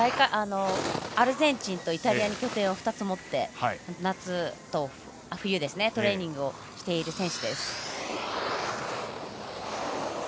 アルゼンチンとイタリアに拠点を２つ持って夏と冬、トレーニングをしている選手です。